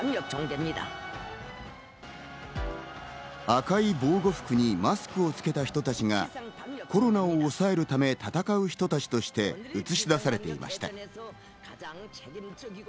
赤い防護服にマスクをつけた人たちがコロナを抑えるために戦う人たちとして映し出されていました。